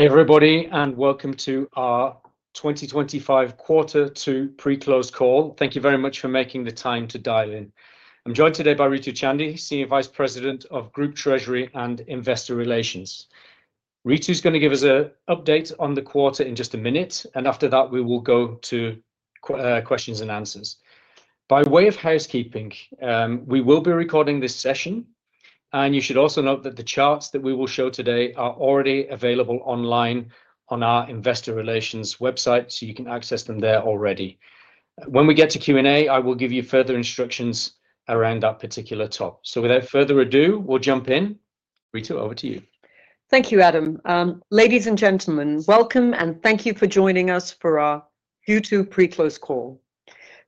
Hi everybody, and welcome to our 2025 Quarter 2 pre-close call. Thank you very much for making the time to dial in. I'm joined today by Ritu Chandy, Senior Vice President of Group Treasury and Investor Relations. Ritu is going to give us an update on the quarter in just a minute, and after that we will go to questions and answers. By way of housekeeping, we will be recording this session, and you should also note that the charts that we will show today are already available online on our Investor Relations website, so you can access them there already. When we get to Q&A, I will give you further instructions around that particular topic. Without further ado, we'll jump in. Ritu, over to you. Thank you, Adam. Ladies and gentlemen, welcome, and thank you for joining us for our Q2 pre-close call.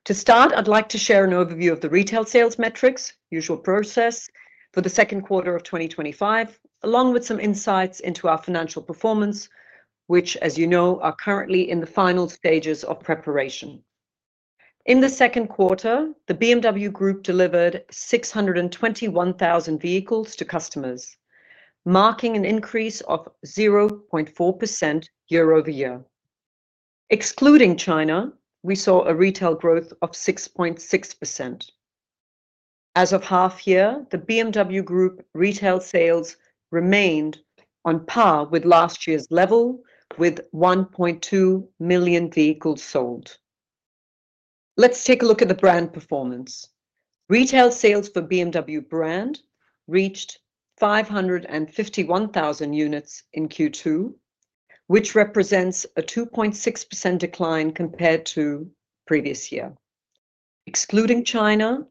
To start, I'd like to share an overview of the retail sales metrics, usual process for the second quarter of 2025, along with some insights into our financial performance, which, as you know, are currently in the final stages of preparation. In the second quarter, the BMW Group delivered 621,000 vehicles to customers, marking an increase of 0.4% year-over-year. Excluding China, we saw a retail growth of 6.6%. As of half year, the BMW Group retail sales remained on par with last year's level, with 1.2 million vehicles sold. Let's take a look at the brand performance. Retail sales for BMW brand reached 551,000 units in Q2, which represents a 2.6% decline compared to previous year. Excluding China,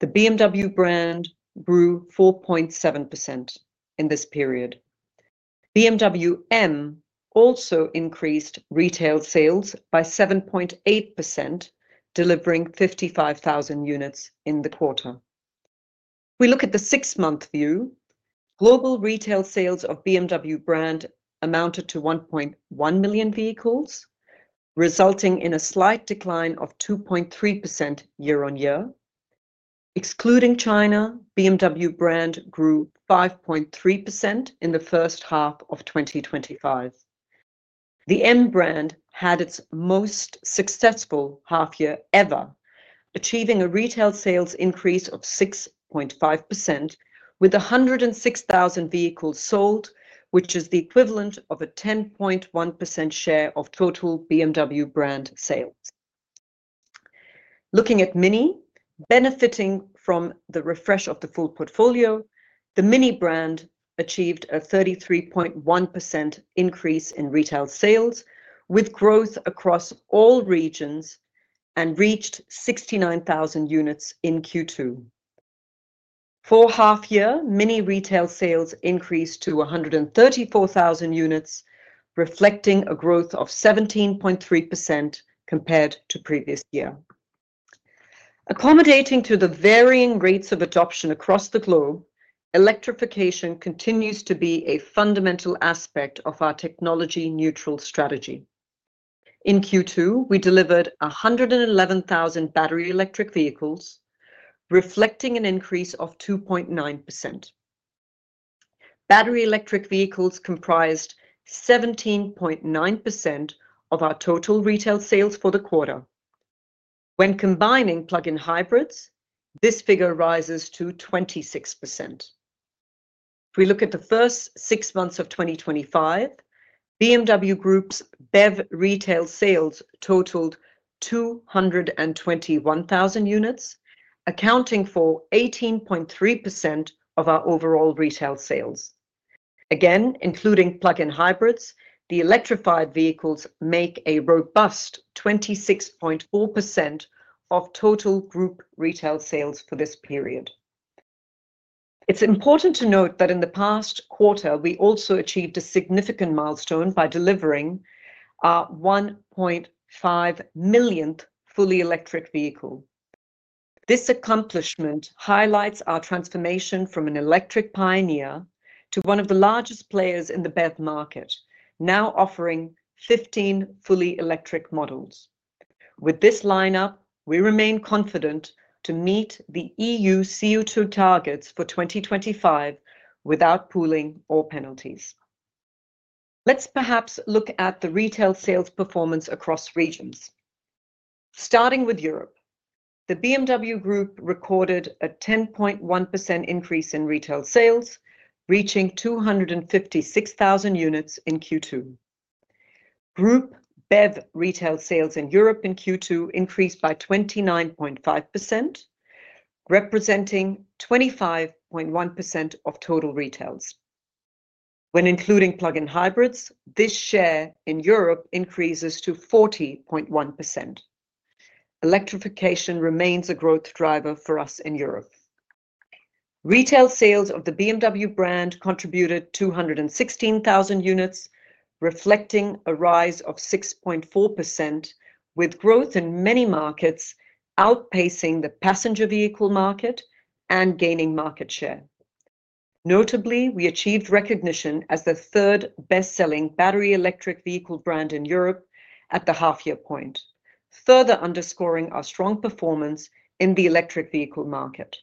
the BMW brand grew 4.7% in this period. BMW M also increased retail sales by 7.8%, delivering 55,000 units in the quarter. If we look at the six-month view, global retail sales of BMW brand amounted to 1.1 million vehicles, resulting in a slight decline of 2.3% year on year. Excluding China, BMW brand grew 5.3% in the first half of 2025. The M brand had its most successful half year ever, achieving a retail sales increase of 6.5% with 106,000 vehicles sold, which is the equivalent of a 10.1% share of total BMW brand sales. Looking at Mini, benefiting from the refresh of the full portfolio, the Mini brand achieved a 33.1% increase in retail sales, with growth across all regions, and reached 69,000 units in Q2. For half year, Mini retail sales increased to 134,000 units, reflecting a growth of 17.3% compared to previous year. Accommodating to the varying rates of adoption across the globe, electrification continues to be a fundamental aspect of our technology-neutral strategy. In Q2, we delivered 111,000 battery electric vehicles, reflecting an increase of 2.9%. Battery electric vehicles comprised 17.9% of our total retail sales for the quarter. When combining plug-in hybrids, this figure rises to 26%. If we look at the first six months of 2025, BMW Group's BEV retail sales totaled 221,000 units, accounting for 18.3% of our overall retail sales. Again, including plug-in hybrids, the electrified vehicles make a robust 26.4% of total group retail sales for this period. It's important to note that in the past quarter, we also achieved a significant milestone by delivering our 1.5 millionth fully electric vehicle. This accomplishment highlights our transformation from an electric pioneer to one of the largest players in the BEV market, now offering 15 fully electric models. With this lineup, we remain confident to meet the EU CO2 targets for 2025 without pooling or penalties. Let's perhaps look at the retail sales performance across regions. Starting with Europe, the BMW Group recorded a 10.1% increase in retail sales, reaching 256,000 units in Q2. Group BEV retail sales in Europe in Q2 increased by 29.5%, representing 25.1% of total retails. When including plug-in hybrids, this share in Europe increases to 40.1%. Electrification remains a growth driver for us in Europe. Retail sales of the BMW brand contributed 216,000 units, reflecting a rise of 6.4%, with growth in many markets outpacing the passenger vehicle market and gaining market share. Notably, we achieved recognition as the third best-selling battery electric vehicle brand in Europe at the half-year point, further underscoring our strong performance in the electric vehicle market.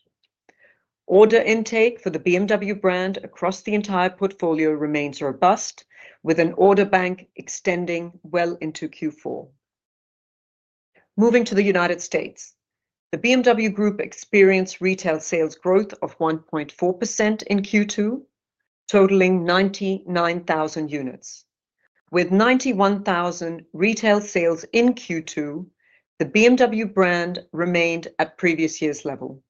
Order intake for the BMW brand across the entire portfolio remains robust, with an order bank extending well into Q4. Moving to the United States, the BMW Group experienced retail sales growth of 1.4% in Q2, totaling 99,000 units. With 91,000 retail sales in Q2, the BMW brand remained at previous year's level.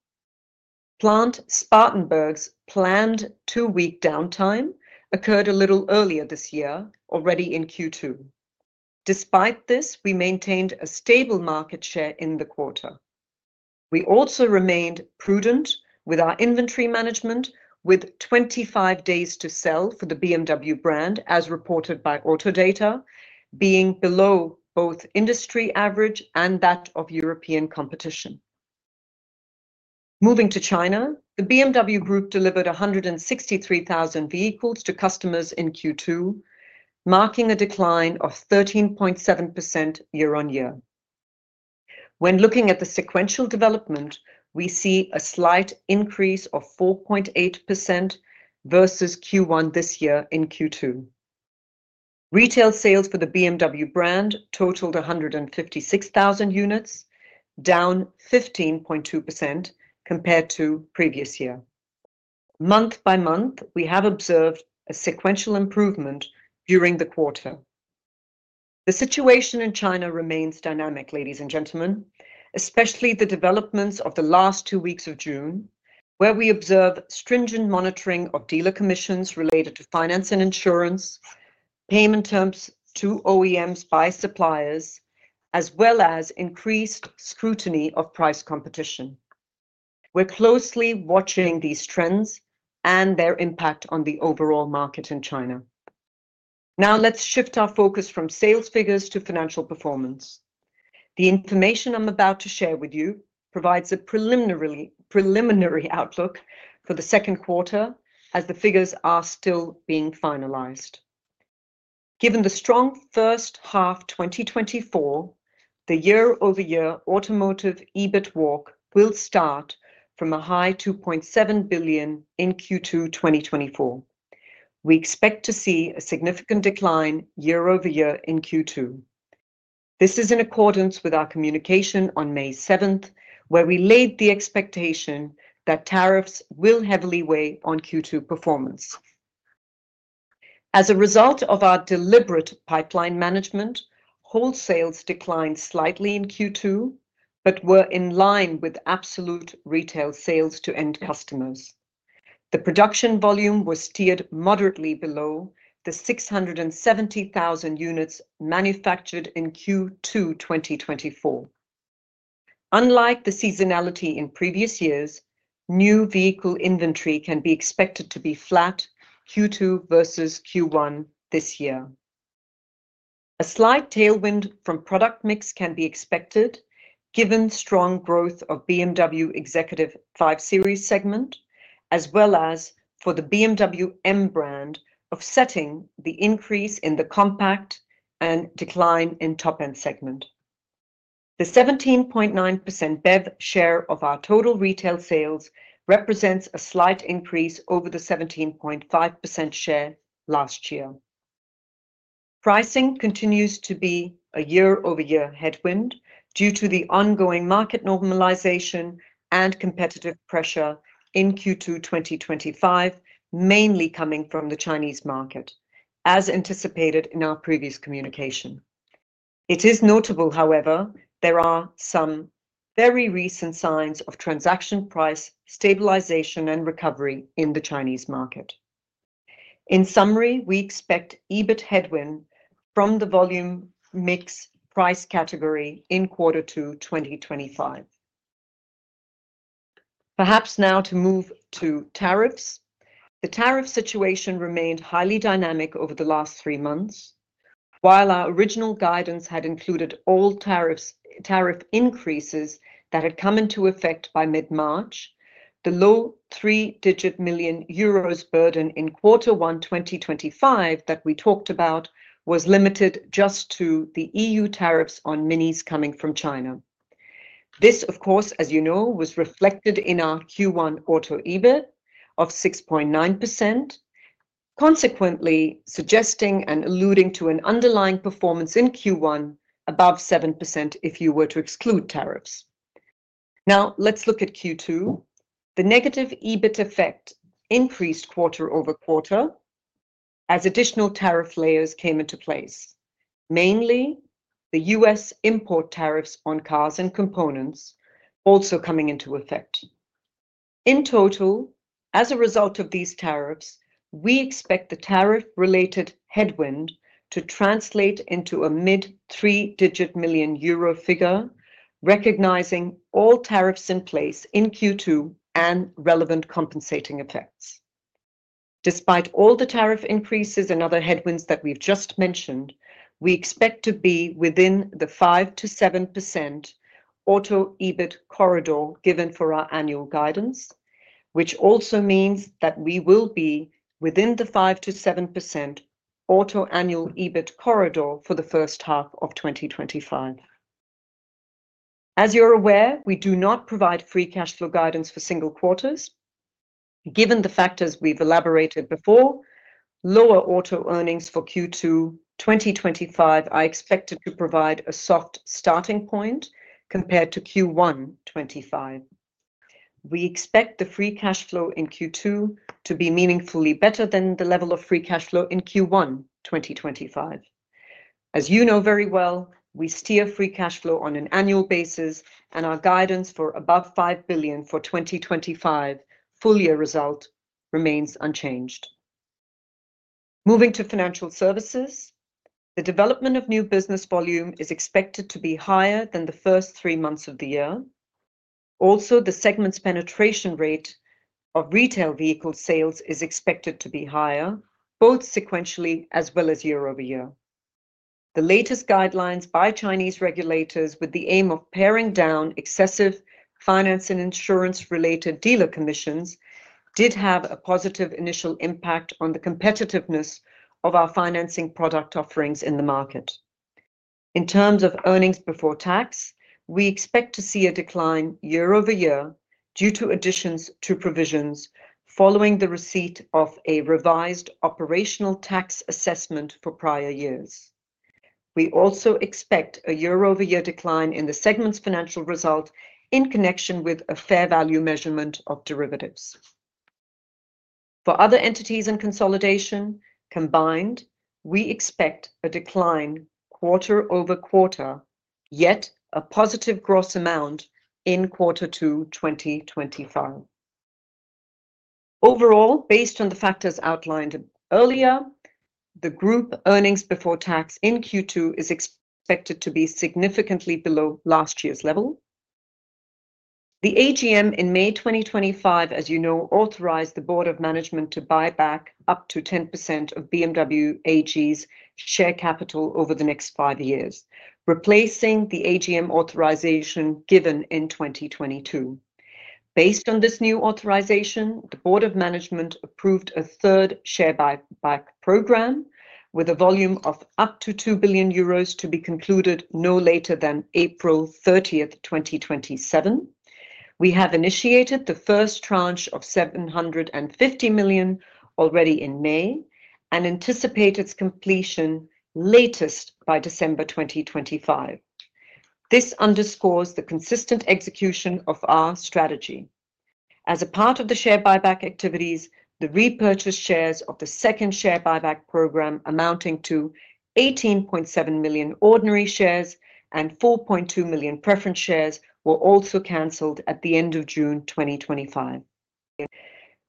Plant Spartanburg's planned two-week downtime occurred a little earlier this year, already in Q2. Despite this, we maintained a stable market share in the quarter. We also remained prudent with our inventory management, with 25 days to sell for the BMW brand, as reported by Autodata, being below both industry average and that of European competition. Moving to China, the BMW Group delivered 163,000 vehicles to customers in Q2, marking a decline of 13.7% year on year. When looking at the sequential development, we see a slight increase of 4.8% versus Q1 this year in Q2. Retail sales for the BMW brand totaled 156,000 units, down 15.2% compared to previous year. Month by month, we have observed a sequential improvement during the quarter. The situation in China remains dynamic, ladies and gentlemen, especially the developments of the last two weeks of June, where we observe stringent monitoring of dealer commissions related to finance and insurance. Payment terms to OEMs by suppliers, as well as increased scrutiny of price competition. We are closely watching these trends and their impact on the overall market in China. Now let's shift our focus from sales figures to financial performance. The information I am about to share with you provides a preliminary outlook for the second quarter, as the figures are still being finalized. Given the strong first half 2024, the year-over-year automotive EBIT walk will start from a high 2.7 billion in Q2 2024. We expect to see a significant decline year-over-year in Q2. This is in accordance with our communication on May 7th, where we laid the expectation that tariffs will heavily weigh on Q2 performance. As a result of our deliberate pipeline management, wholesales declined slightly in Q2, but were in line with absolute retail sales to end customers. The production volume was steered moderately below the 670,000 units manufactured in Q2 2024. Unlike the seasonality in previous years, new vehicle inventory can be expected to be flat Q2 versus Q1 this year. A slight tailwind from product mix can be expected, given strong growth of BMW executive 5 Series segment, as well as for the BMW M brand offsetting the increase in the compact and decline in top-end segment. The 17.9% BEV share of our total retail sales represents a slight increase over the 17.5% share last year. Pricing continues to be a year-over-year headwind due to the ongoing market normalization and competitive pressure in Q2 2025, mainly coming from the Chinese market, as anticipated in our previous communication. It is notable, however, there are some very recent signs of transaction price stabilization and recovery in the Chinese market. In summary, we expect EBIT headwind from the volume mix price category in Q2 2025. Perhaps now to move to tariffs. The tariff situation remained highly dynamic over the last three months. While our original guidance had included all tariff increases that had come into effect by mid-March, the low three-digit million EUR burden in Q1 2025 that we talked about was limited just to the EU tariffs on Minis coming from China. This, of course, as you know, was reflected in our Q1 auto EBIT of 6.9%. Consequently suggesting and alluding to an underlying performance in Q1 above 7% if you were to exclude tariffs. Now let's look at Q2. The negative EBIT effect increased quarter over quarter. As additional tariff layers came into place, mainly the US import tariffs on cars and components also coming into effect. In total, as a result of these tariffs, we expect the tariff-related headwind to translate into a mid three-digit million EUR figure, recognizing all tariffs in place in Q2 and relevant compensating effects. Despite all the tariff increases and other headwinds that we've just mentioned, we expect to be within the 5%-7% Auto EBIT corridor given for our annual guidance, which also means that we will be within the 5%-7% Auto annual EBIT corridor for the first half of 2025. As you're aware, we do not provide free cash flow guidance for single quarters. Given the factors we've elaborated before, lower auto earnings for Q2 2025 are expected to provide a soft starting point compared to Q1 2025. We expect the free cash flow in Q2 to be meaningfully better than the level of free cash flow in Q1 2025. As you know very well, we steer free cash flow on an annual basis, and our guidance for above 5 billion for 2025 full year result remains unchanged. Moving to financial services, the development of new business volume is expected to be higher than the first three months of the year. Also, the segment's penetration rate of retail vehicle sales is expected to be higher, both sequentially as well as year-over-year. The latest guidelines by Chinese regulators, with the aim of paring down excessive finance and insurance-related dealer commissions, did have a positive initial impact on the competitiveness of our financing product offerings in the market. In terms of earnings before tax, we expect to see a decline year-over-year due to additions to provisions following the receipt of a revised operational tax assessment for prior years. We also expect a year-over-year decline in the segment's financial result in connection with a fair value measurement of derivatives. For other entities and consolidation combined, we expect a decline quarter over quarter, yet a positive gross amount in Quarter 2 2025. Overall, based on the factors outlined earlier, the group earnings before tax in Q2 is expected to be significantly below last year's level. The AGM in May 2025, as you know, authorized the Board of Management to buy back up to 10% of BMW AG's share capital over the next five years, replacing the AGM authorization given in 2022. Based on this new authorization, the Board of Management approved a third share buyback program with a volume of up to 2 billion euros to be concluded no later than April 30, 2027. We have initiated the first tranche of 750 million already in May and anticipate its completion latest by December 2025. This underscores the consistent execution of our strategy. As a part of the share buyback activities, the repurchased shares of the second share buyback program amounting to 18.7 million ordinary shares and 4.2 million preference shares were also cancelled at the end of June 2025.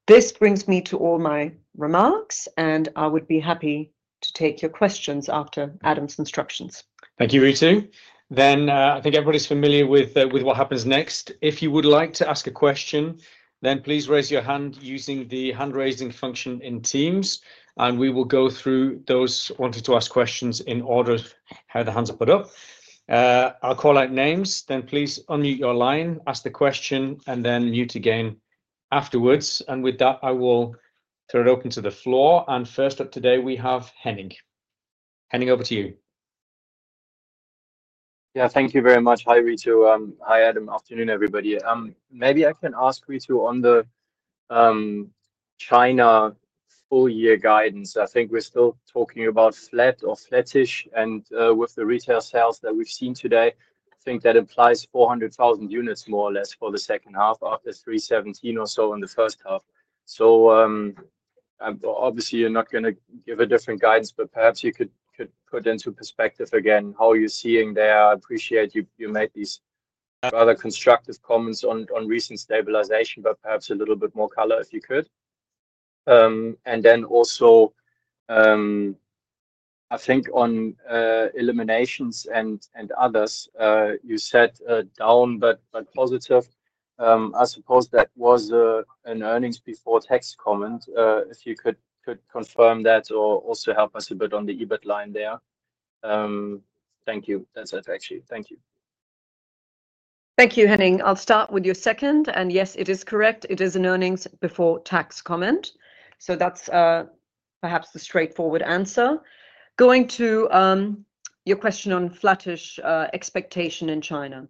This brings me to all my remarks, and I would be happy to take your questions after Adam's instructions. Thank you, Ritu. I think everybody's familiar with what happens next. If you would like to ask a question, please raise your hand using the hand-raising function in Teams, and we will go through those who want to ask questions in order of how the hands are put up. I'll call out names, then please unmute your line, ask the question, and then mute again afterwards. With that, I will throw it open to the floor. First up today, we have Henning. Henning, over to you. Yeah, thank you very much. Hi, Ritu. Hi, Adam. Afternoon, everybody. Maybe I can ask Ritu on the China full year guidance. I think we're still talking about flat or flattish, and with the retail sales that we've seen today, I think that implies 400,000 units more or less for the second half after 317 or so in the first half. Obviously, you're not going to give a different guidance, but perhaps you could put into perspective again how you're seeing there. I appreciate you made these rather constructive comments on recent stabilization, but perhaps a little bit more color if you could. Also, I think on eliminations and others, you said down but positive. I suppose that was an earnings before tax comment. If you could confirm that or also help us a bit on the EBIT line there. Thank you. That's it, actually. Thank you. Thank you, Henning. I'll start with your second. Yes, it is correct. It is an earnings before tax comment. That's perhaps the straightforward answer. Going to your question on flattish expectation in China,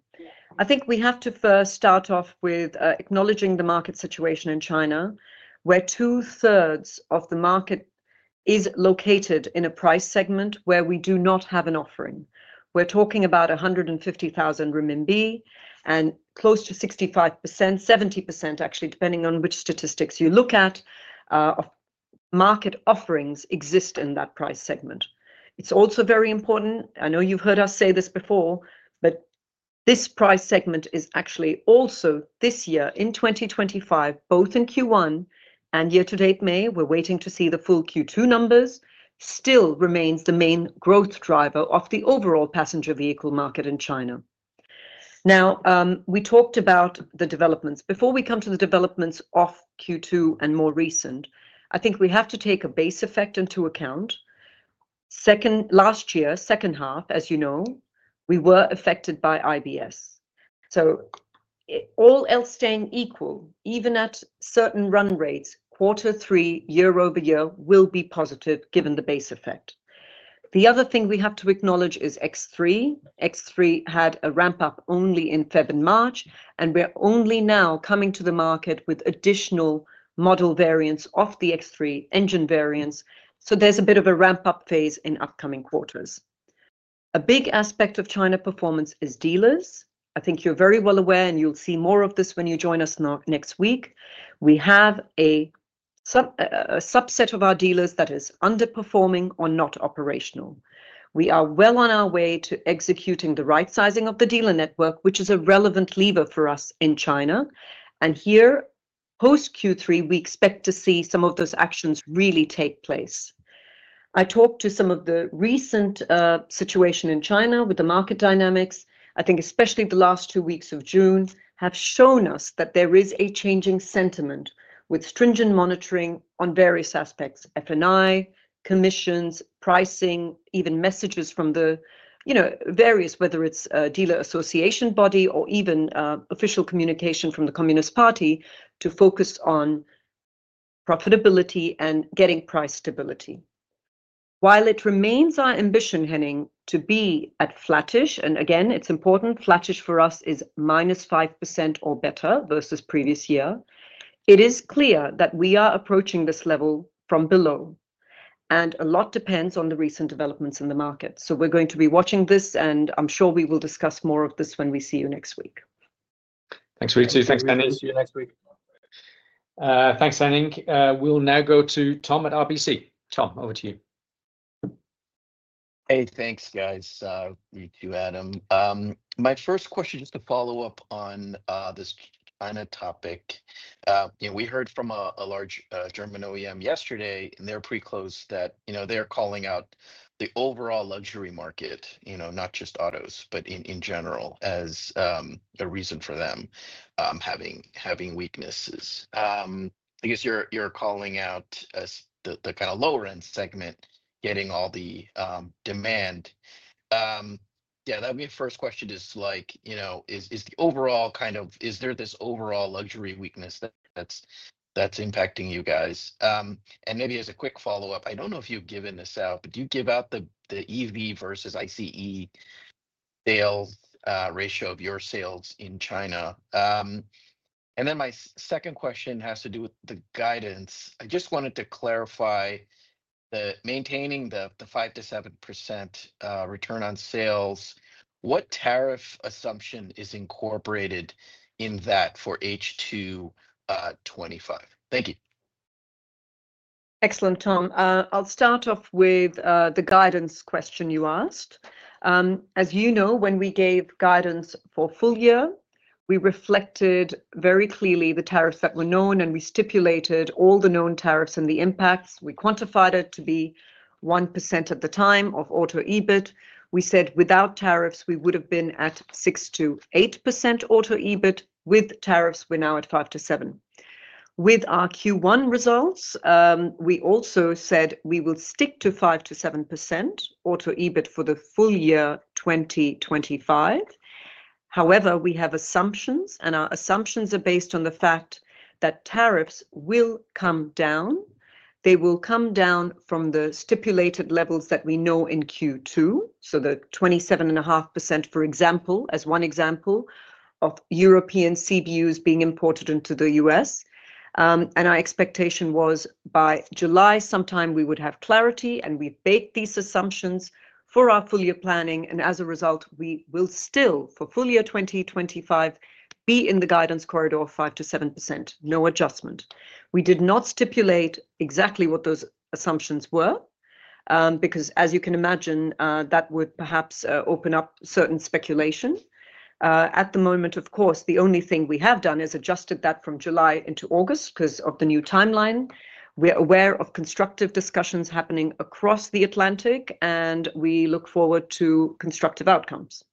I think we have to first start off with acknowledging the market situation in China, where two-thirds of the market is located in a price segment where we do not have an offering. We're talking about 150,000 renminbi, and close to 65%-70% actually, depending on which statistics you look at, of market offerings exist in that price segment. It's also very important. I know you've heard us say this before, but this price segment is actually also this year in 2025, both in Q1 and year-to-date May, we're waiting to see the full Q2 numbers, still remains the main growth driver of the overall passenger vehicle market in China. Now, we talked about the developments. Before we come to the developments of Q2 and more recent, I think we have to take a base effect into account. Last year, second half, as you know, we were affected by IBS. All else staying equal, even at certain run rates, quarter 3 year-over-year will be positive given the base effect. The other thing we have to acknowledge is X3. X3 had a ramp-up only in February and March, and we're only now coming to the market with additional model variants of the X3 engine variants. There is a bit of a ramp-up phase in upcoming quarters. A big aspect of China performance is dealers. I think you're very well aware, and you'll see more of this when you join us next week. We have a subset of our dealers that is underperforming or not operational. We are well on our way to executing the right-sizing of the dealer network, which is a relevant lever for us in China. Here, post Q3, we expect to see some of those actions really take place. I talked to some of the recent situation in China with the market dynamics. I think especially the last two weeks of June have shown us that there is a changing sentiment with stringent monitoring on various aspects: F&I, commissions, pricing, even messages from the various, whether it is a dealer association body or even official communication from the Communist Party to focus on profitability and getting price stability. While it remains our ambition, Henning, to be at flattish, and again, it's important, flattish for us is minus 5% or better versus previous year, it is clear that we are approaching this level from below, and a lot depends on the recent developments in the market. We are going to be watching this, and I'm sure we will discuss more of this when we see you next week. Thanks, Ritu. Thanks, Henning. We will see you next week. Thanks, Henning. We will now go to Tom at RBC. Tom, over to you. Hey, thanks, guys. Ritu, Adam. My first question, just to follow-up on this China topic. We heard from a large German OEM yesterday in their pre-close that they are calling out the overall luxury market, not just autos, but in general, as a reason for them having weaknesses. I guess you are calling out. The kind of lower-end segment getting all the demand. Yeah, that would be a first question just like. Is the overall kind of, is there this overall luxury weakness that's impacting you guys? Maybe as a quick follow-up, I do not know if you have given this out, but do you give out the EV versus ICE sales ratio of your sales in China? My second question has to do with the guidance. I just wanted to clarify. Maintaining the 5%-7% return on sales, what tariff assumption is incorporated in that for H2 2025? Thank you. Excellent, Tom. I'll start off with the guidance question you asked. As you know, when we gave guidance for full year, we reflected very clearly the tariffs that were known, and we stipulated all the known tariffs and the impacts. We quantified it to be 1% at the time of auto EBIT. We said without tariffs, we would have been at 6%-8% auto EBIT. With tariffs, we're now at 5%-7%. With our Q1 results, we also said we will stick to 5%-7% auto EBIT for the full year 2025. However, we have assumptions, and our assumptions are based on the fact that tariffs will come down. They will come down from the stipulated levels that we know in Q2, so the 27.5%, for example, as one example of European CBUs being imported into the U.S. Our expectation was by July sometime we would have clarity, and we've baked these assumptions for our full year planning. As a result, we will still, for full year 2025, be in the guidance corridor of 5%-7%, no adjustment. We did not stipulate exactly what those assumptions were. Because, as you can imagine, that would perhaps open up certain speculation. At the moment, of course, the only thing we have done is adjusted that from July into August because of the new timeline. We are aware of constructive discussions happening across the Atlantic, and we look forward to constructive outcomes.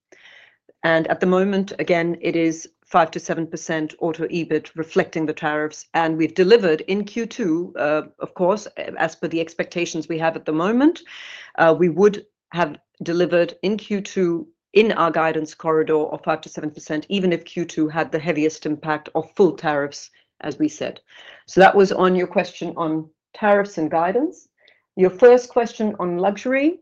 At the moment, again, it is 5%-7% auto EBIT reflecting the tariffs. We have delivered in Q2, of course, as per the expectations we have at the moment. We would have delivered in Q2 in our guidance corridor of 5%-7%, even if Q2 had the heaviest impact of full tariffs, as we said. That was on your question on tariffs and guidance. Your first question on luxury,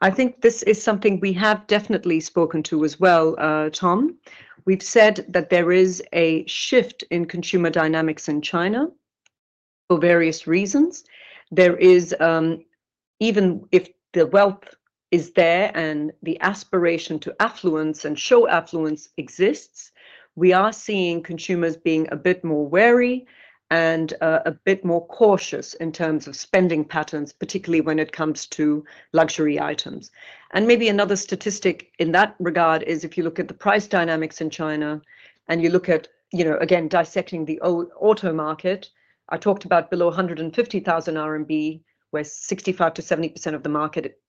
I think this is something we have definitely spoken to as well, Tom. We've said that there is a shift in consumer dynamics in China. For various reasons. Even if the wealth is there and the aspiration to affluence and show affluence exists, we are seeing consumers being a bit more wary and a bit more cautious in terms of spending patterns, particularly when it comes to luxury items. Maybe another statistic in that regard is if you look at the price dynamics in China and you look at, again, dissecting the auto market, I talked about below 150,000 RMB, where 65%-70% of the market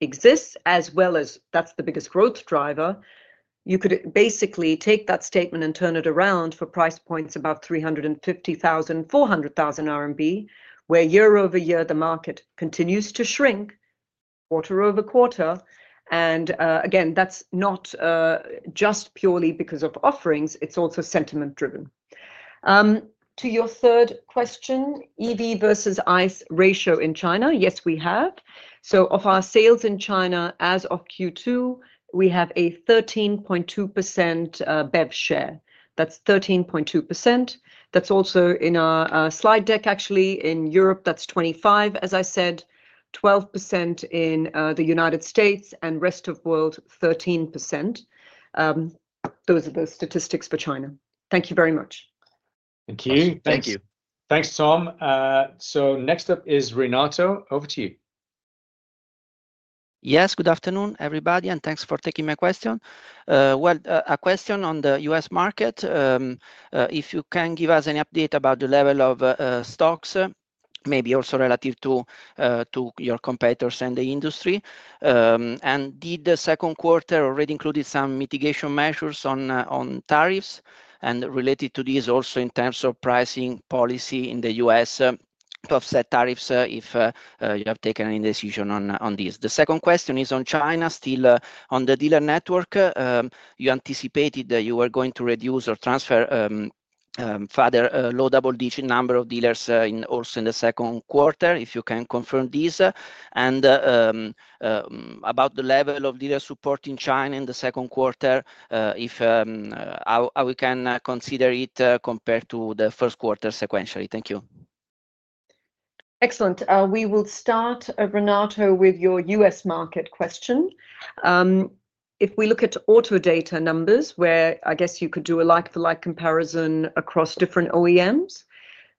exists, as well as that's the biggest growth driver. You could basically take that statement and turn it around for price points about 350,000-400,000 RMB, where year-over-year the market continues to shrink. Quarter over quarter. That is not just purely because of offerings. It is also sentiment-driven. To your third question, EV versus ICE ratio in China, yes, we have. So of our sales in China as of Q2, we have a 13.2% BEV share. That's 13.2%. That's also in our slide deck, actually. In Europe, that's 25%, as I said. 12% in the United States and rest of the world, 13%. Those are the statistics for China. Thank you very much. Thank you. Thank you. Thanks, Tom. Next up is Renato. Over to you. Yes, good afternoon, everybody, and thanks for taking my question. A question on the U.S. market. If you can give us an update about the level of stocks, maybe also relative to your competitors and the industry. Did the second quarter already include some mitigation measures on tariffs? Related to this also in terms of pricing policy in the U.S. to offset tariffs, if you have taken any decision on this. The second question is on China, still on the dealer network. You anticipated that you were going to reduce or transfer a low double-digit number of dealers also in the second quarter, if you can confirm this. About the level of dealer support in China in the second quarter, if we can consider it compared to the first quarter sequentially. Thank you. Excellent. We will start, Renato, with your U.S. market question. If we look at auto data numbers, where I guess you could do a like-for-like comparison across different OEMs,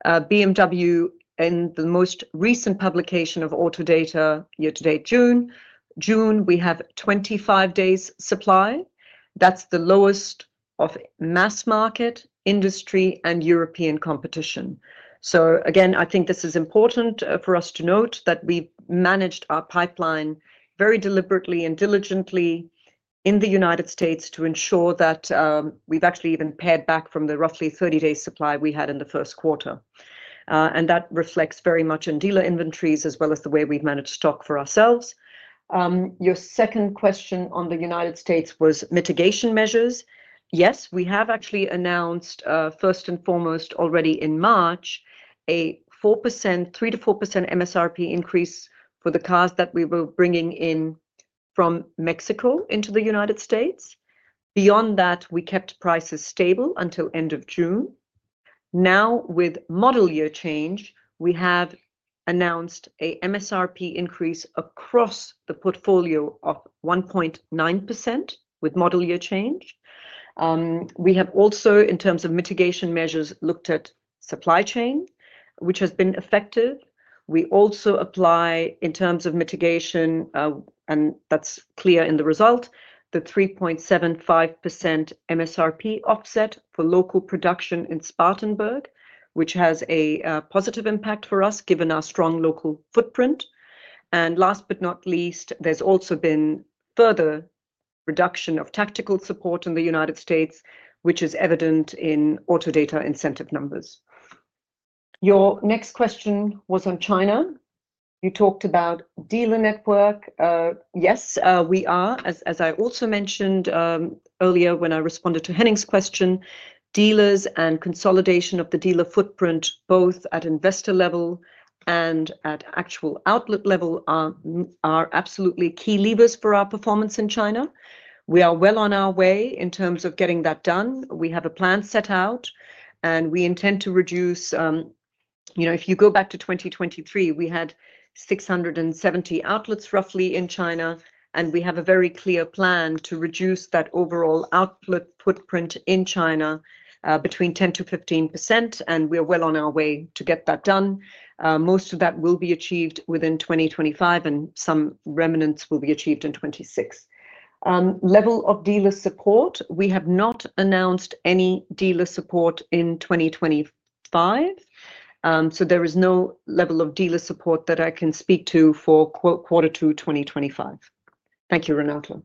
BMW, in the most recent publication of auto data, year-to-date June, we have 25 days supply. That is the lowest of mass market, industry, and European competition. I think this is important for us to note that we've managed our pipeline very deliberately and diligently in the United States to ensure that we've actually even pared back from the roughly 30-day supply we had in the first quarter. That reflects very much in dealer inventories as well as the way we've managed stock for ourselves. Your second question on the United States was mitigation measures. Yes, we have actually announced, first and foremost, already in March, a 3%-4% MSRP increase for the cars that we were bringing in from Mexico into the United States. Beyond that, we kept prices stable until the end of June. Now, with model year change, we have announced an MSRP increase across the portfolio of 1.9% with model year change. We have also, in terms of mitigation measures, looked at supply chain, which has been effective. We also apply, in terms of mitigation. That is clear in the result, the 3.75% MSRP offset for local production in Spartanburg, which has a positive impact for us given our strong local footprint. Last but not least, there has also been further reduction of tactical support in the United States, which is evident in auto data incentive numbers. Your next question was on China. You talked about dealer network. Yes, we are, as I also mentioned earlier when I responded to Henning's question, dealers and consolidation of the dealer footprint, both at investor level and at actual outlet level, are absolutely key levers for our performance in China. We are well on our way in terms of getting that done. We have a plan set out, and we intend to reduce. If you go back to 2023, we had 670 outlets roughly in China, and we have a very clear plan to reduce that overall outlet footprint in China between 10% and 15%, and we are well on our way to get that done. Most of that will be achieved within 2025, and some remnants will be achieved in 2026. Level of dealer support, we have not announced any dealer support in 2025. So there is no level of dealer support that I can speak to for quarter two, 2025. Thank you, Renato.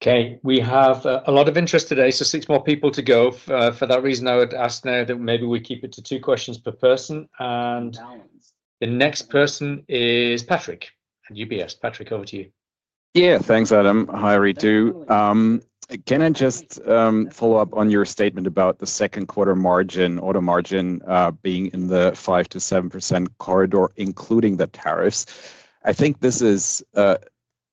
Okay. We have a lot of interest today, so six more people to go. For that reason, I would ask now that maybe we keep it to two questions per person. The next person is Patrick at UBS. Patrick, over to you. Yeah, thanks, Adam. Hi, Ritu. Can I just. Follow-up on your statement about the second quarter margin, auto margin, being in the 5%-7% corridor, including the tariffs? I think this is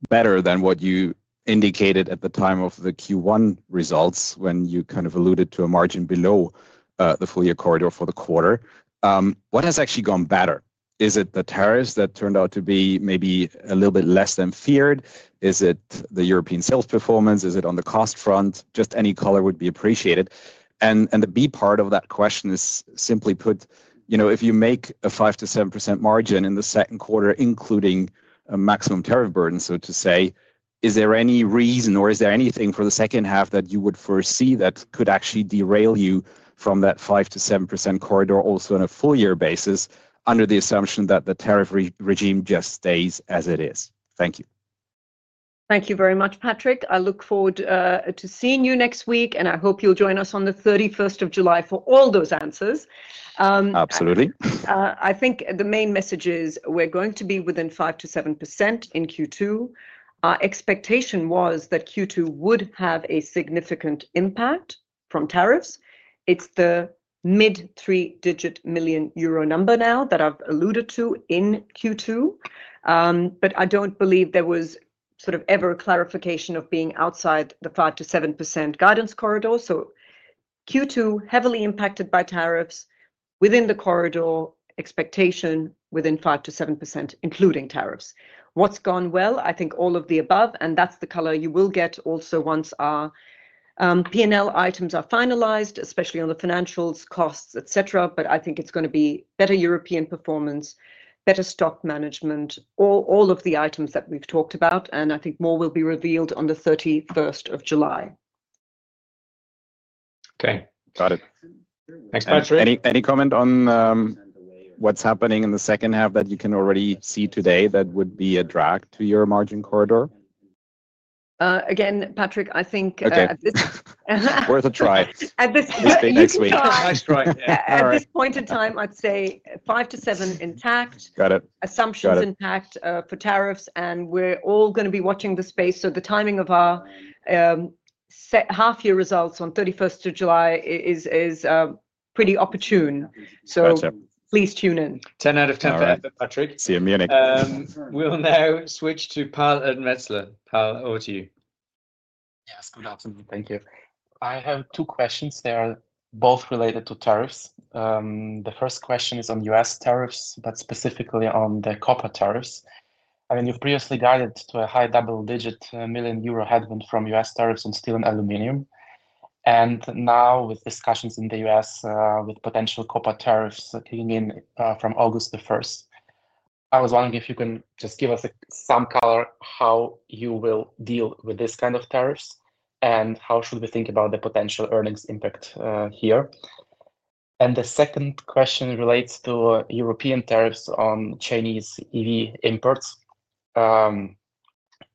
better than what you indicated at the time of the Q1 results when you kind of alluded to a margin below the full year corridor for the quarter. What has actually gone better? Is it the tariffs that turned out to be maybe a little bit less than feared? Is it the European sales performance? Is it on the cost front? Just any color would be appreciated. The B part of that question is simply put. If you make a 5%-7% margin in the second quarter, including. A maximum tariff burden, so to say, is there any reason or is there anything for the second half that you would foresee that could actually derail you from that 5%-7% corridor also on a full year basis under the assumption that the tariff regime just stays as it is? Thank you. Thank you very much, Patrick. I look forward to seeing you next week, and I hope you'll join us on the 31st of July for all those answers. Absolutely. I think the main message is we're going to be within 5%-7% in Q2. Our expectation was that Q2 would have a significant impact from tariffs. It's the mid-three-digit million EUR number now that I've alluded to in Q2. I don't believe there was sort of ever a clarification of being outside the 5%-7% guidance corridor. Q2, heavily impacted by tariffs, within the corridor, expectation within 5%-7%, including tariffs. What's gone well? I think all of the above, and that's the color you will get also once P&L items are finalized, especially on the financials, costs, etc. I think it's going to be better European performance, better stock management, all of the items that we've talked about, and I think more will be revealed on the 31st of July. Okay. Got it. Thanks, Patrick. Any comment on what's happening in the second half that you can already see today that would be a drag to your margin corridor? Again, Patrick, I think worth a try. At this point in time, I'd say 5%-7% intact. Assumption is intact for tariffs, and we're all going to be watching the space. The timing of our. Half-year results on the 31st of July is pretty opportune. So please tune in. 10 out of 10 for Patrick. See you, Munich. We'll now switch to Paul and Metzler. Paul, over to you. Yes, good afternoon. Thank you. I have two questions. They're both related to tariffs. The first question is on US tariffs, but specifically on the copper tariffs. I mean, you've previously guided to a high double-digit million EUR headwind from US tariffs on steel and aluminium. And now, with discussions in the US with potential copper tariffs kicking in from August the 1st, I was wondering if you can just give us some color how you will deal with this kind of tariffs and how should we think about the potential earnings impact here. And the second question relates to European tariffs on Chinese EV imports.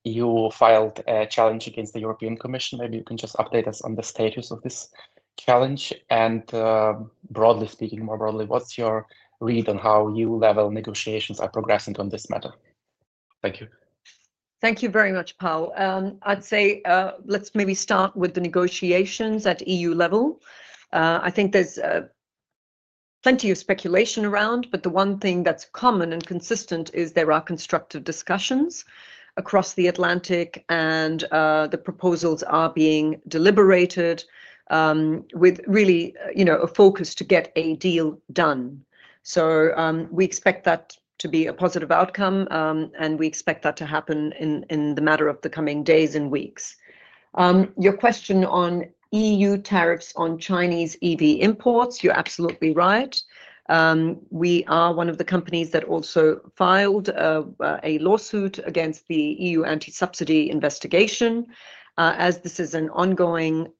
You filed a challenge against the European Commission. Maybe you can just update us on the status of this challenge. Broadly speaking, more broadly, what's your read on how EU-level negotiations are progressing on this matter? Thank you. Thank you very much, Paul. I'd say let's maybe start with the negotiations at EU level. I think there's plenty of speculation around, but the one thing that's common and consistent is there are constructive discussions across the Atlantic, and the proposals are being deliberated with really a focus to get a deal done. We expect that to be a positive outcome, and we expect that to happen in the matter of the coming days and weeks. Your question on EU tariffs on Chinese EV imports, you're absolutely right. We are one of the companies that also filed a lawsuit against the EU anti-subsidy investigation. As this is an ongoing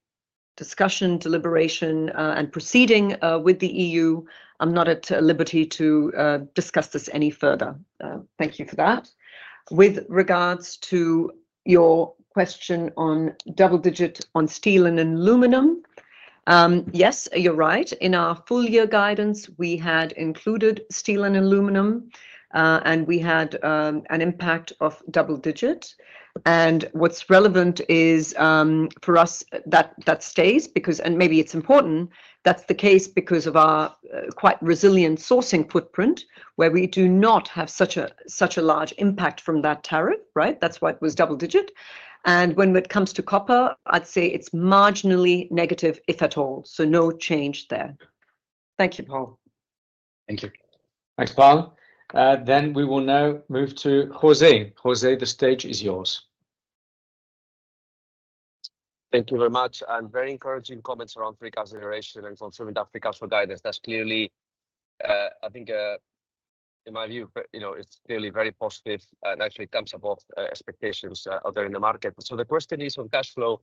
discussion, deliberation, and proceeding with the EU, I'm not at liberty to discuss this any further. Thank you for that. With regards to your question on double-digit on steel and aluminum. Yes, you're right. In our full year guidance, we had included steel and aluminum, and we had an impact of double-digit. What's relevant is, for us, that stays because, and maybe it's important, that's the case because of our quite resilient sourcing footprint where we do not have such a large impact from that tariff, right? That's why it was double-digit. When it comes to copper, I'd say it's marginally negative, if at all. No change there. Thank you, Paul. Thank you. Thanks, Paul. We will now move to José. José, the stage is yours. Thank you very much. Very encouraging comments around free consideration and fulfillment of free cash flow guidance. That is clearly, I think, in my view, it is clearly very positive and actually comes above expectations out there in the market. The question is on cash flow.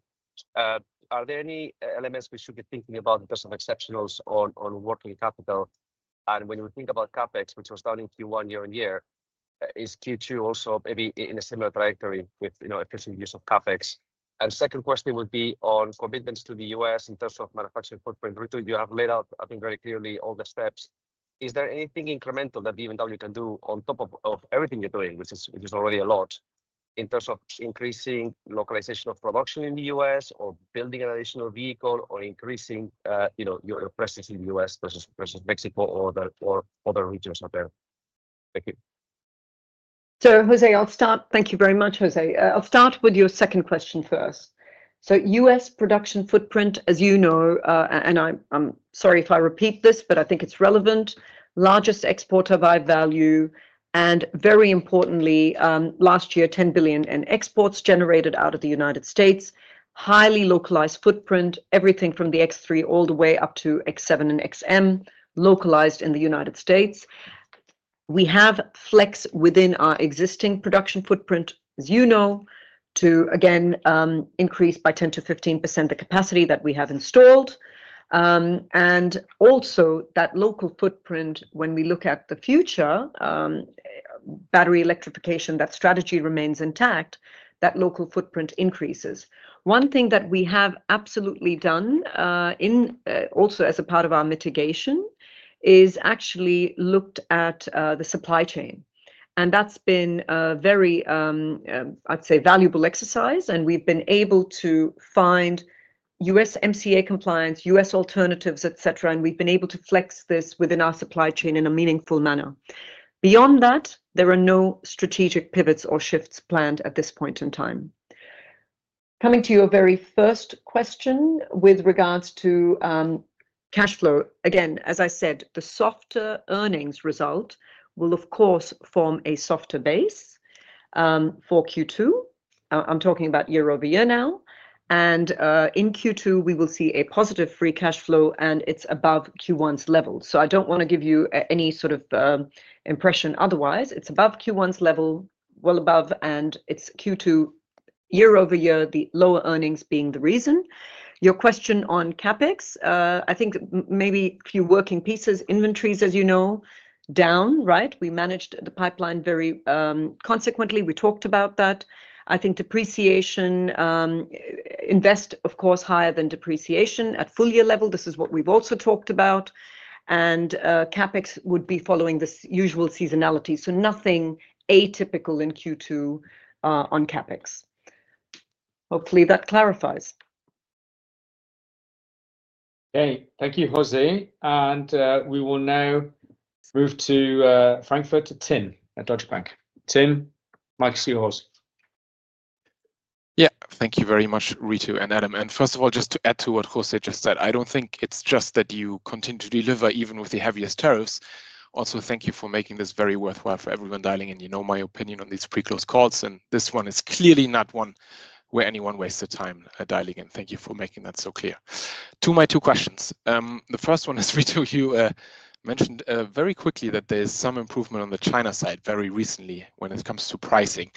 Are there any elements we should be thinking about in terms of exceptionals on working capital? When we think about CapEx, which was done in Q1 year on year, is Q2 also maybe in a similar trajectory with efficient use of CapEx? The second question would be on commitments to the US in terms of manufacturing footprint. Ritu, you have laid out, I think, very clearly all the steps. Is there anything incremental that BMW can do on top of everything you are doing, which is already a lot, in terms of increasing localization of production in the US or building an additional vehicle or increasing. Your presence in the U.S. versus Mexico or other regions out there? Thank you. Jose, I'll start. Thank you very much, Jose. I'll start with your second question first. U.S. production footprint, as you know, and I'm sorry if I repeat this, but I think it's relevant. Largest exporter by value, and very importantly, last year, $10 billion in exports generated out of the United States, highly localized footprint, everything from the X3 all the way up to X7 and XM localized in the United States. We have flex within our existing production footprint, as you know, to, again, increase by 10%-15% the capacity that we have installed. Also, that local footprint, when we look at the future. Battery electrification, that strategy remains intact, that local footprint increases. One thing that we have absolutely done. Also as a part of our mitigation, actually looked at the supply chain. That has been a very, I'd say, valuable exercise, and we've been able to find USMCA compliance, US alternatives, etc., and we've been able to flex this within our supply chain in a meaningful manner. Beyond that, there are no strategic pivots or shifts planned at this point in time. Coming to your very first question with regards to cash flow, again, as I said, the softer earnings result will, of course, form a softer base for Q2. I'm talking about year-over-year now. In Q2, we will see a positive free cash flow, and it's above Q1's level. I do not want to give you any sort of impression otherwise. It's above Q1's level, well above, and it's Q2. year-over-year, the lower earnings being the reason. Your question on CapEx, I think maybe a few working pieces, inventories, as you know, down, right? We managed the pipeline very consequently. We talked about that. I think depreciation. Invest, of course, higher than depreciation at full year level. This is what we've also talked about. CapEx would be following this usual seasonality. Nothing atypical in Q2 on CapEx. Hopefully, that clarifies. Thank you, Jose. We will now move to Frankfurt to Tim at Deutsche Bank. Tim, might you see your horse? Yeah. Thank you very much, Ritu and Adam. First of all, just to add to what Jose just said, I do not think it is just that you continue to deliver even with the heaviest tariffs. Also, thank you for making this very worthwhile for everyone dialing in. You know my opinion on these pre-close calls, and this one is clearly not one where anyone wasted time dialing in. Thank you for making that so clear. To my two questions. The first one is, Ritu, you mentioned very quickly that there is some improvement on the China side very recently when it comes to pricing.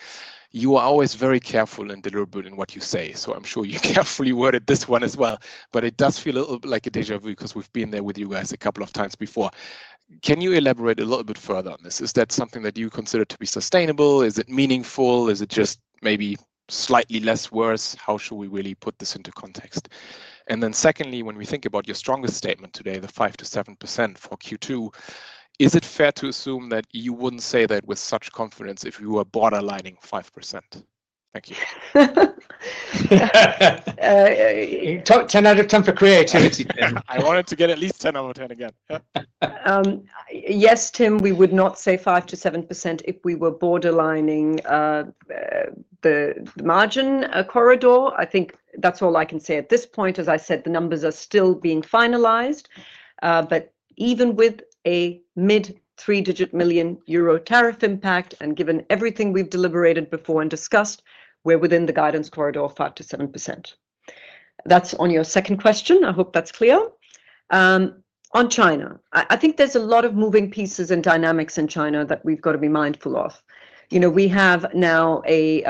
You are always very careful and deliberate in what you say, so I am sure you carefully worded this one as well. It does feel a little bit like a déjà vu because we have been there with you guys a couple of times before. Can you elaborate a little bit further on this? Is that something that you consider to be sustainable? Is it meaningful? Is it just maybe slightly less worse? How should we really put this into context? Then secondly, when we think about your strongest statement today, the 5%-7% for Q2, is it fair to assume that you would not say that with such confidence if you were borderlining 5%? Thank you. 10 out of 10 for creativity, Tim. I wanted to get at least 10 out of 10 again. Yes, Tim, we would not say 5%-7% if we were borderlining the margin corridor. I think that is all I can say at this point. As I said, the numbers are still being finalized. Even with a mid-three-digit million EUR tariff impact and given everything we have deliberated before and discussed, we are within the guidance corridor of 5%-7%. That is on your second question. I hope that is clear. On China, I think there is a lot of moving pieces and dynamics in China that we have got to be mindful of. We have now a.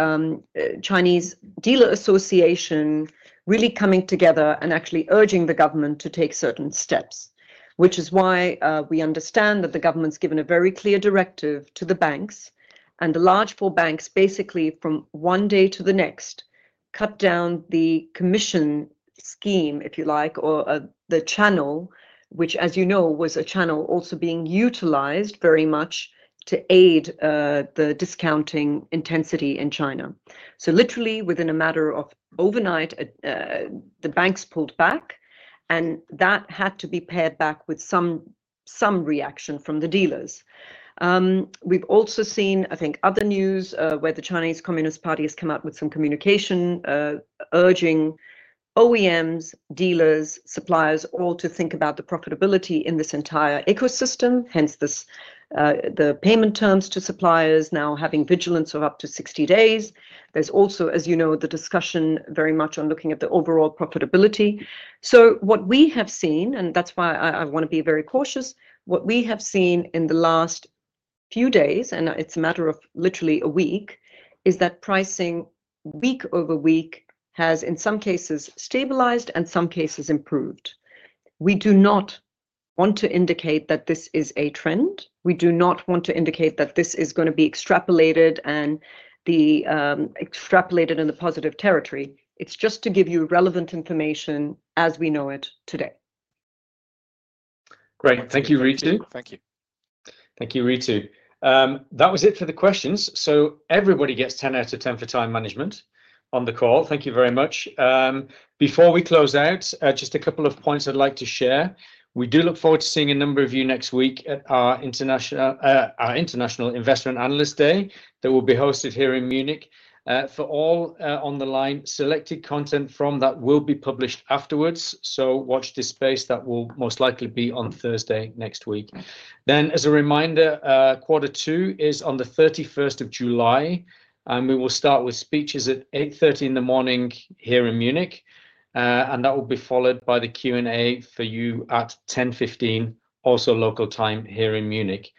Chinese dealer association really coming together and actually urging the government to take certain steps, which is why we understand that the government's given a very clear directive to the banks and the large four banks basically from one day to the next cut down the commission scheme, if you like, or the channel, which, as you know, was a channel also being utilized very much to aid the discounting intensity in China. Literally, within a matter of overnight, the banks pulled back, and that had to be paired back with some reaction from the dealers. We've also seen, I think, other news where the Chinese Communist Party has come out with some communication urging OEMs, dealers, suppliers, all to think about the profitability in this entire ecosystem, hence the payment terms to suppliers now having vigilance of up to 60 days. is also, as you know, the discussion very much on looking at the overall profitability. What we have seen, and that is why I want to be very cautious, what we have seen in the last few days, and it is a matter of literally a week, is that pricing week over week has, in some cases, stabilized and in some cases improved. We do not want to indicate that this is a trend. We do not want to indicate that this is going to be extrapolated and extrapolated in the positive territory. It is just to give you relevant information as we know it today. Great. Thank you, Ritu. Thank you. Thank you, Ritu. That was it for the questions. Everybody gets 10 out of 10 for time management on the call. Thank you very much. Before we close out, just a couple of points I would like to share. We do look forward to seeing a number of you next week at our International Investment Analyst Day that will be hosted here in Munich. For all on the line, selected content from that will be published afterwards. Watch this space. That will most likely be on Thursday next week. As a reminder, quarter two is on the 31st of July, and we will start with speeches at 8:30 A.M. here in Munich. That will be followed by the Q&A for you at 10:15 A.M., also local time here in Munich.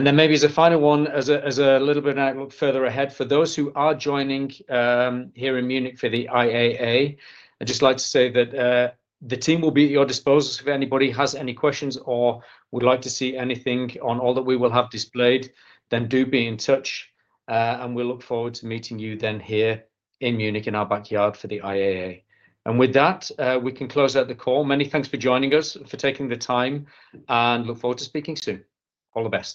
Maybe as a final one, as a little bit further ahead, for those who are joining here in Munich for the IAA, I'd just like to say that the team will be at your disposal. If anybody has any questions or would like to see anything on all that we will have displayed, then do be in touch, and we will look forward to meeting you then here in Munich in our backyard for the IAA. With that, we can close out the call. Many thanks for joining us, for taking the time, and look forward to speaking soon. All the best.